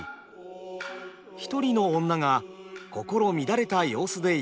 一人の女が心乱れた様子でやって来ました。